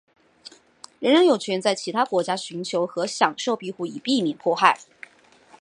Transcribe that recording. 人人有权在其他国家寻求和享受庇护以避免迫害。